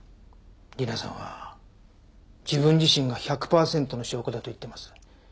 理奈さんは自分自身が１００パーセントの証拠だと言っています。